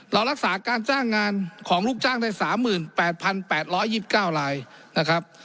เรารักษาการจ้างงานของลูกจ้างได้สามหมื่นแปดพันแปดร้อยยิบเก้าลายนะครับ